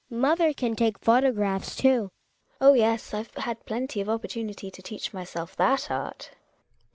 Hedvig. Mother can take photographs, too. GiNA. Oh, yes! I've had plenty of opportunity to teach myself that art.